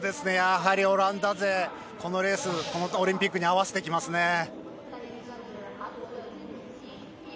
やはりオランダ勢はこのレース、オリンピックに合わせてきますね。